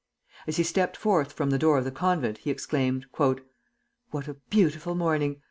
As he stepped forth from the door of the convent, he exclaimed: "What a beautiful morning!